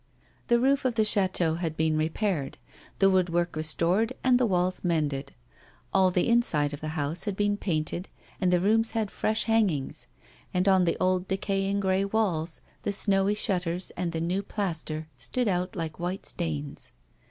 The roof of the chateau had been repaired, the wood work restored, and the walls mended ; all the inside of the house had been painted and the rooms had fresh hangings, and on the old decaying grey walls the snowy shutters and the new plaster stood out like white stains.